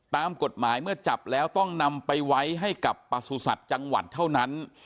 ตามกฎหมายเมื่อจับแล้วต้องนำไปไว้ให้กับประสุทธิ์จังหวัดเท่านั้น